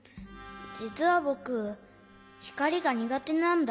じつはぼくひかりがにがてなんだ。